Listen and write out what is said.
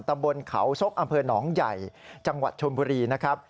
ตำบลเขาซกอำเภอหนองใหญ่จังหวัดชนบุรีนะครับ